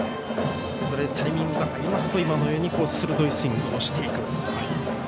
それでタイミングが合いますと今のように鋭いスイングをしていく。